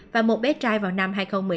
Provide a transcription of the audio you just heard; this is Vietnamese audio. và một bé trai vào năm hai nghìn một mươi năm